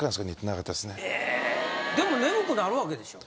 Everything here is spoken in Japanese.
でも眠くなるわけでしょ？